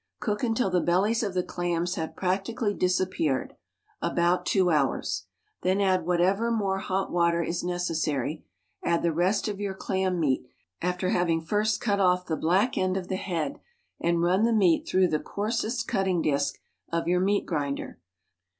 Cook until the bellies of the clams have practically disappeared (about two hours) . Then add whatever more hot water is neces sary, add the rest of your clam meat, after having first cut off the black end of the head, and run the meat through the coarsest cutting disk of your meat grinder.